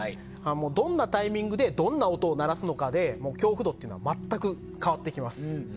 どんなタイミングでどんな音を鳴らすのかで恐怖度は全く変わってきます。